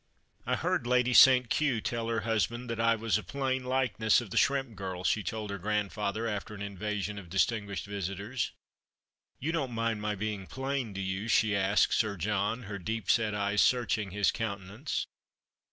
" I heard Lady St. Kew tell her husband that I was a plain likeness of the Shrimp Girl," she told her grandfather after an invasion of distinguished visitors. " You don't mind my being plain, do you ?" she asked Sir John, her deep set eyes searching his countenance.